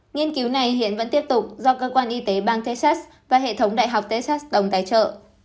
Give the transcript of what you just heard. nghiên cứu này hiện vẫn tiếp tục do cơ quan y tế bang texas và hệ thống đại học texas đồng tài trợ